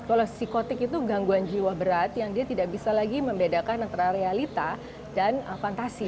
kalau psikotik itu gangguan jiwa berat yang dia tidak bisa lagi membedakan antara realita dan fantasi